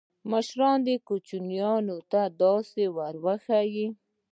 مشران کوچنیانو ته دا ورښيي.